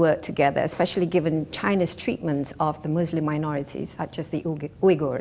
terutama dengan penyelidikan china kepada minoritas muslim seperti uyghur